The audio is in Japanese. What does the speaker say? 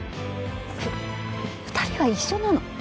２人は一緒なの？